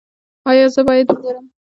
ایا زه باید وګورم؟